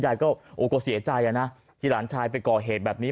ยายก็โอ้ก็เสียใจอะนะที่หลานชายไปก่อเหตุแบบนี้